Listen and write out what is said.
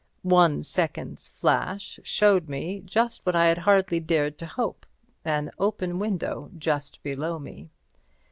One second's flash showed me what I had hardly dared to hope—an open window just below me.